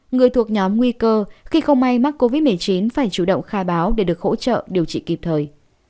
người thuộc nhóm nguy cơ khi không may mắc covid một mươi chín phải chủ động khai báo để được hỗ trợ điều trị kịp thời